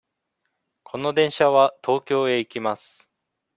この電車は東京へ行きます。